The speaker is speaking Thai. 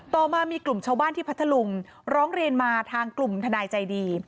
ต่อมามีกลุ่มชาวบ้านที่พัทธลุงร้องเรียนมาทางกลุ่มทนายใจดี